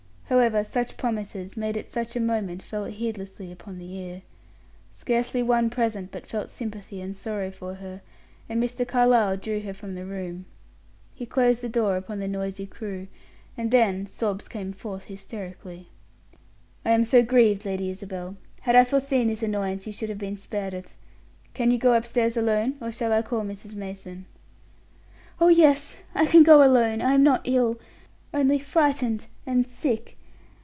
However, such promises, made at such a moment, fell heedlessly upon the ear. Scarcely one present but felt sympathy and sorrow for her, and Mr. Carlyle drew her from the room. He closed the door upon the noisy crew, and then sobs came forth hysterically. "I am so grieved, Lady Isabel! Had I foreseen this annoyance, you should have been spared it. Can you go upstairs alone, or shall I call Mrs. Mason?" "Oh, yes! I can go alone; I am not ill, only frightened and sick.